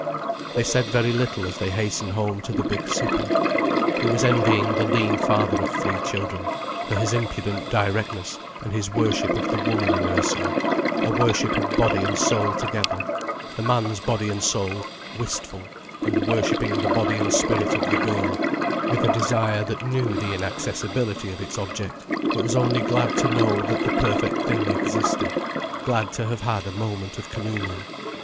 They said very little as they hastened home to the big supper. He was envying the lean father of three children, for his impudent directness and his worship of the woman in Ursula, a worship of body and soul together, the man's body and soul wistful and worshipping the body and spirit of the girl, with a desire that knew the inaccessibility of its object, but was only glad to know that the perfect thing existed, glad to have had a moment of communion.